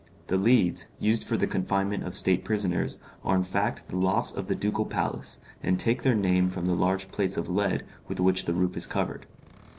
The Leads, used for the confinement of state prisoners, are in fact the lofts of the ducal palace, and take their name from the large plates of lead with which the roof is covered.